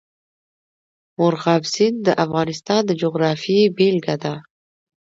مورغاب سیند د افغانستان د جغرافیې بېلګه ده.